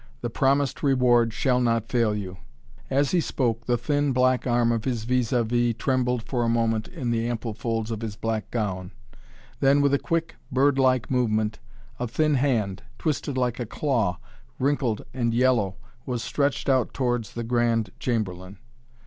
The promised reward shall not fail you!" As he spoke, the thin, black arm of his vis a vis trembled for a moment in the ample folds of his black gown. Then, with a quick, bird like movement, a thin hand, twisted like a claw, wrinkled and yellow, was stretched out towards the Grand Chamberlain.